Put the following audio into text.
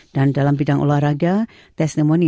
dalam bidang olahraga testimoni